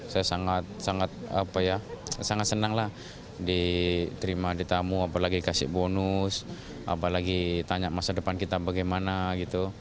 saya sangat sangat apa ya sangat senang lah diterima di tamu apalagi kasih bonus apalagi tanya masa depan kita bagaimana gitu